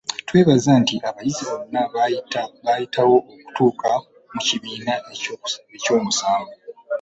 Twebuuza nti, abayizi bano baayita wa okutuuka mu kibiina ekyomusanvu